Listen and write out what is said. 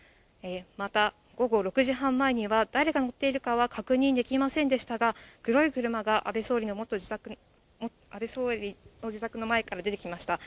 また、午後６時半前には、誰が乗っているかは確認できませんでしたが、黒い車が、安倍総理の自宅の前から出てきました。